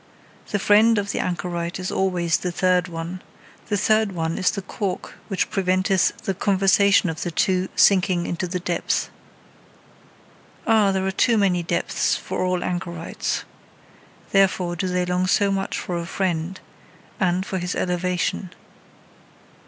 The friend of the anchorite is always the third one: the third one is the cork which preventeth the conversation of the two sinking into the depth. Ah! there are too many depths for all anchorites. Therefore, do they long so much for a friend, and for his elevation.